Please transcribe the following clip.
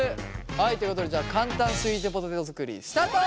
はいということでじゃあ簡単スイートポテト作りスタート！